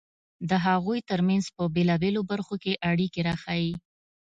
د هغوی ترمنځ په بېلابېلو برخو کې اړیکې راښيي.